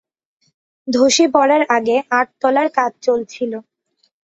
ধসে পড়ার আগে আট তলার কাজ চলছিল।